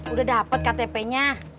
udah dapet ktp nya